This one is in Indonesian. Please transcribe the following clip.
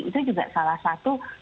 itu juga salah satu